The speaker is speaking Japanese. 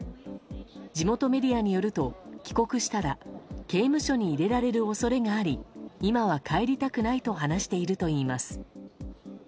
地元メディアによると帰国したら刑務所に入れられる恐れがあり今は帰りたくないと話しているといいます。